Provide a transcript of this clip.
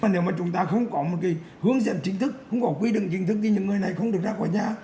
nếu mà chúng ta không có một hướng dẫn chính thức không có quy định chính thức thì những người này không được ra khỏi nhà